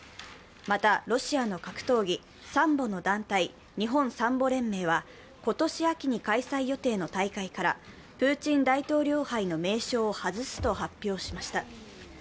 また、ロシアの格闘技、サンボの団体日本サンボ連盟は、今年秋に開催予定の大会からプーチン大統領杯の名称を外すと発表しました。